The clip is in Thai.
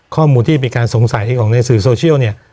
ข้อมูลที่มีการสงสัยของในสื่อโซเชียลเนี่ย